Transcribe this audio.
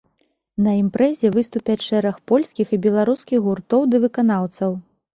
На імпрэзе выступяць шэраг польскіх і беларускіх гуртоў ды выканаўцаў.